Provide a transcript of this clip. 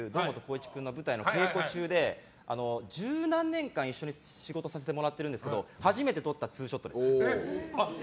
一君の舞台の稽古中で十何年間、一緒に仕事させてもらってるんですけど初めて撮ったツーショットです。